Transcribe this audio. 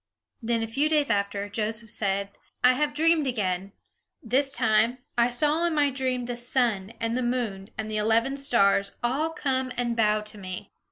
Then, a few days after, Joseph said, "I have dreamed again. This time, I saw in my dream the sun, and the moon, and eleven stars, all come and bow to me!"